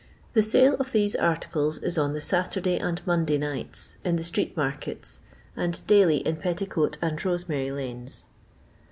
The sale of these articles is on the Saturday and Monday nights, in the street markets, and daily in Petticoat and Rosemary lanes.